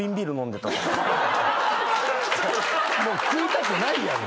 食いたくないやん。